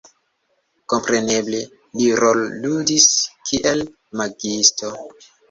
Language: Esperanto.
Kompreneble li rolludis kiel magiisto.